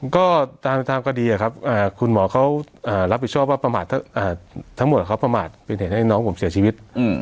ก็ตามคดีครับคุณหมอเขารับผิดชอบว่าประมาททั้งหมดเขาประมาทเป็นเหตุให้น้องผมเสียชีวิต